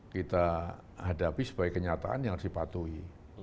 kita hadapi sebagai kenyataan yang harus dipatuhi